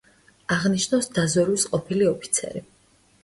აღნიშნავს დაზვერვის ყოფილი ოფიცერი.